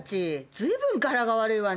随分柄が悪いわね。